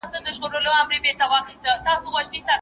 په دفتر کي د ټولو ورځنیو کارونو لست جوړېږي.